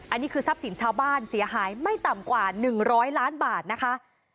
อันนี้คือทรัพย์สินชาวบ้านเสียหายไม่ต่ำกว่า๑๐๐ล้านบาทนะคะ